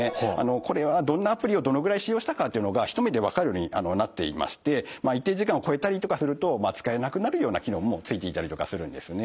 これはどんなアプリをどのぐらい使用したかっていうのが一目で分かるようになっていまして一定時間を超えたりとかすると使えなくなるような機能もついていたりとかするんですね。